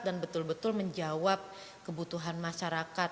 dan betul betul menjawab kebutuhan masyarakat